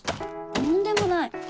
とんでもない。